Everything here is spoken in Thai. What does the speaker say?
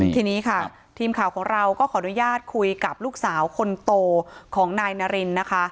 ทีนี้ค่ะทีมข่าวของเราก็ขออนุญาตคุยกับลูกสาวคนโตของนายนารินนะคะ